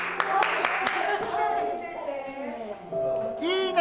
いいね！